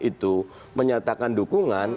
itu menyatakan dukungan